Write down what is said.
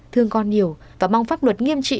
thương con nhiều và mong pháp luật nghiêm trị